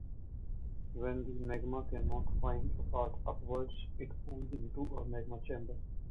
When the magma cannot find a path upwards it pools into a magma chamber.